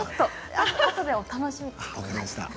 あとでお楽しみ。